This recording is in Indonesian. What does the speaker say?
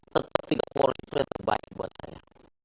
tetap tiga poros itu yang terbaik buat saya